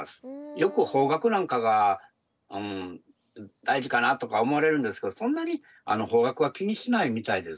よく方角なんかが大事かなとか思われるんですけどそんなに方角は気にしないみたいです。